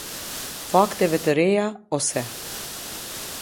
Fakteve të reja, ose.